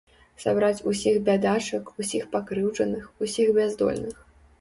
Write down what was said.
Сабраць усіх бядачак, усіх пакрыўджаных, усіх бяздольных.